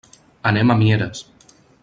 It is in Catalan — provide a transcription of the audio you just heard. Anem a Mieres.